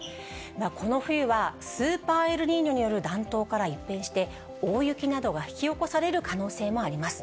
この冬は、スーパーエルニーニョによる暖冬から一変して大雪などが引き起こされる可能性もあります。